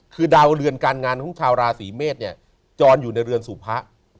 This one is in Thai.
คือดาวเรือนการงานของชาวราศีเมษเนี่ยจรอยู่ในเรือนสู่พระ